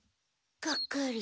がっかり。